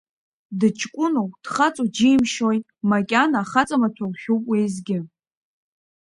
Дыҷкәыноу, дхаҵоу џьимшьои, макьана ахаҵа маҭәа лшәуп уеизгьы.